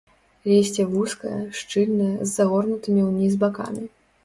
Лісце вузкае, шчыльнае, з загорнутымі ўніз бакамі.